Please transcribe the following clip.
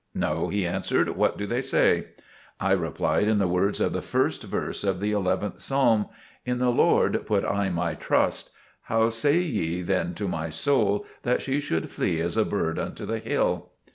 "No," he answered. "What do they say?" I replied in the words of the first verse of the Eleventh Psalm: "In the Lord put I my trust; how say ye then to my soul, that she should flee as a bird unto the hill?"